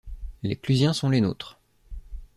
Les clusiens sont les nôtres.